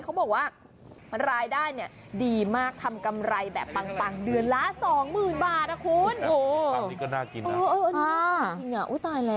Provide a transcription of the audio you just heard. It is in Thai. เขาบอกว่ารายได้ดีมากทำกำไรแบบปังเดือนละ๒หมื่นบาทคุณ